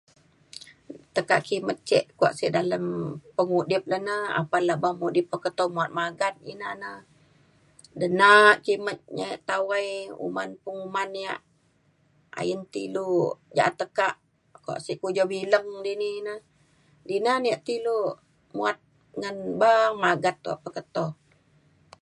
tekak kimet ke' kuak sik dalam pengudip le ne apan mudip peketo muat magat ina na denak kimet, nyaek tawai uman penguman ya' ayen ti ilu ja'at tekak ukok sik kujau bileng dini ne dina ne ya' ti ilu muat ngan beng magat kuak pe teto.